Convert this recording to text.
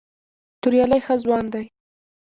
توریالی ښه ځوان دی.